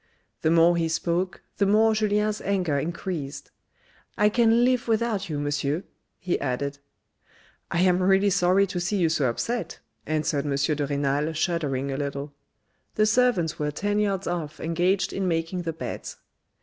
The more he spoke the more Julien's anger increased, " I can live without you, Monsieur," he added. " I am really sorry to see you so upset," answered M. de Renal shuddering a little. The servants were ten yards off engaged in making the beds.